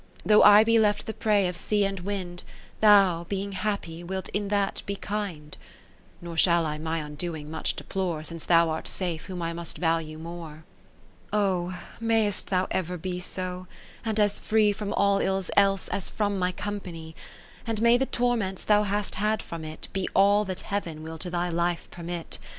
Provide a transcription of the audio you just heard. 30 Though I be left the prey of sea and wind, Thou, being happyj wilt in that be kind ; Nor shall I my undoing much deplore, Since thou art safe, whom I must value more. Oh ! mayst thou ever be so, and as free From all ills else, as from my company ; And may the torments thou hast had from it, Be all that Heaven will to thy life permit.